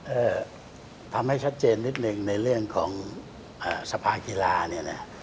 เอ่อทำให้ชัดเจนนิดหนึ่งในเรื่องของเอ่อสภากีฬาเนี่ยนะ